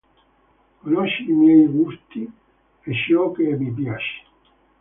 Conosce i miei gusti e ciò che mi piace.